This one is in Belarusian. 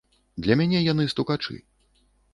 Для мяне яны стукачы.